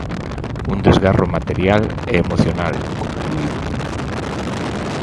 Un desgarro material e emocional, concluíu.